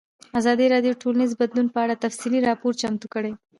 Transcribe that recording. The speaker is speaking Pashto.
ازادي راډیو د ټولنیز بدلون په اړه تفصیلي راپور چمتو کړی.